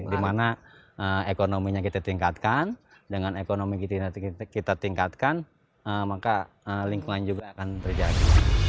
dimana ekonominya kita tingkatkan dengan ekonomi kita tingkatkan maka lingkungan juga akan terjadi